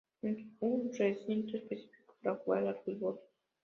Es un recinto específico para jugar al fútbol.